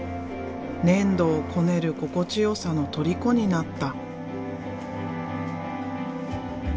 粘土をこねる心地よさのとりこになった。